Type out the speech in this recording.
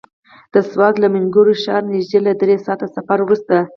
د سوات له مينګورې ښاره نژدې له دری ساعته سفر وروسته.